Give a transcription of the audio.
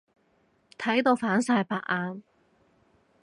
睇到反晒白眼。